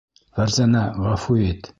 Фәрзәнә, ғәфү ит.